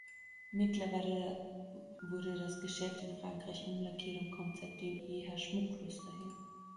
Mittlerweile wurde das Geschäft in Frankreich umlackiert und kommt seitdem eher schmucklos daher.